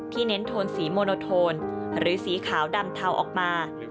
เน้นโทนสีโมโนโทนหรือสีขาวดำเทาออกมา